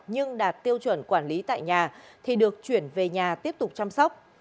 nhưng đạt tiêu chuẩn quản lý tại nhà thì được chuyển về nhà tiếp tục chăm sóc